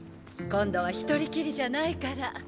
今度は一人きりじゃないから。